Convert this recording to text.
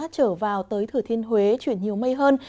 trở vào tới thừa thiên huế chuyển nhiều mây hơn